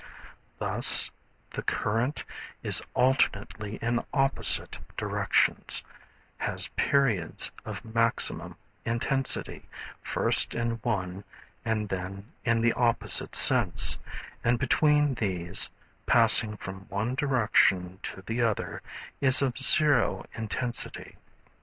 Thus the current is alternately in opposite directions, has periods of maximum intensity, first in one and then in the opposite sense, and between these, passing from one direction to the other, is of zero intensity.